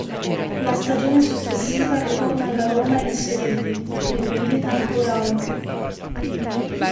La stagione successiva ritorna alla Roma in Serie B in cui milita ancora oggi.